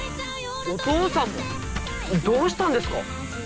お父さんもどうしたんですか？